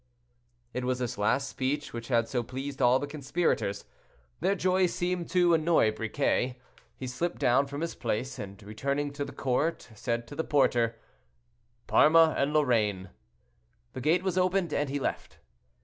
It was this last speech which had so pleased all the conspirators. Their joy seemed to annoy Briquet; he slipped down from his place, and returning to the court, said to the porter, "Parma and Lorraine." The gate was opened, and he left.